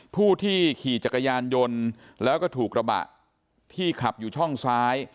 ผู้ที่ขี่จักรยานยนต์แล้วก็ถูกกระบะที่ขับอยู่ช่องซ้าย